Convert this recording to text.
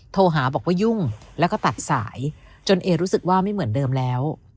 โทรหาบอกว่ายุ่งแล้วก็ตัดสายจนเอรู้สึกว่าไม่เหมือนเดิมแล้ว